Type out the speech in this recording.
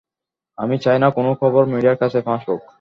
আমি চাই না কোনো খবর মিডিয়ার কাছে ফাঁস হোক।